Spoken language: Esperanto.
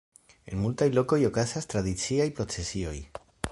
En multaj lokoj okazas tradiciaj procesioj.